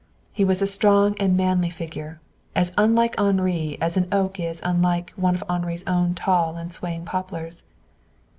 He was a strong and manly figure, as unlike Henri as an oak is unlike one of Henri's own tall and swaying poplars.